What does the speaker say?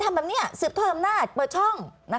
ทำแบบนี้สืบทอดอำนาจเปิดช่อง